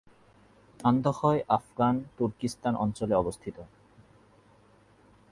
আন্দখয় Afghan Turkestan অঞ্চলে অবস্থিত।